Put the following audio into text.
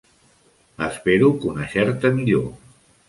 Espero conèixer-te millor.